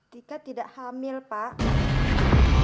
tika tidak hamil pak